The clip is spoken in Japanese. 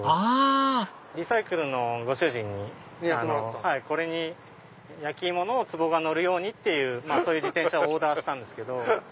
狸サイクルのご主人にこれに焼き芋のつぼが載るように自転車をオーダーしたんです。